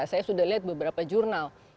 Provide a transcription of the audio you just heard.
saya sudah lihat beberapa jurnal